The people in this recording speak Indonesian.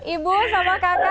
ibu sama kakak dua kali